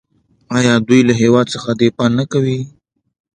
آیا دوی له هیواد څخه دفاع نه کوي؟